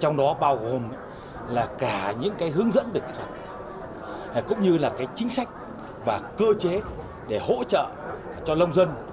trong đó bao gồm cả những hướng dẫn về kỹ thuật cũng như là chính sách và cơ chế để hỗ trợ cho lông dân